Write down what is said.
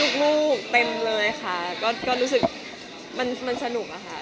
ดีใจแม่ลูกเต็มเลยค่ะรู้สึกมันสนุกค่ะ